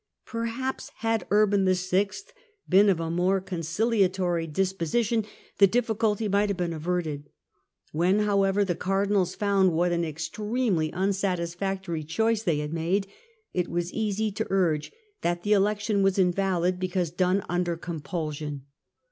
Perhaps had Urban VI. been of a more conciliatory 114 THE END OF THE MIDDLE AGE irregu disposition, the difficulty might have been averted. etecUoif When, hov^ever, the Cardinals found what an extremely unsatisfactory choice they had made, it v^as easy to urge that the election was invalid because done under com pulsion.